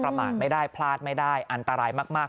มาไม่ได้พลาดไม่ได้อันตรายมาก